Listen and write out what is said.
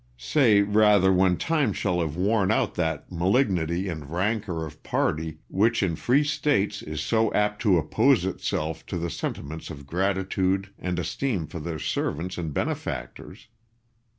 William. Say, rather, when time shall have worn out that malignity and rancour of party which in free States is so apt to oppose itself to the sentiments of gratitude and esteem for their servants and benefactors.